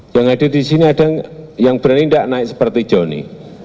yang ada di sini ada yang berani enggak naik seperti johnny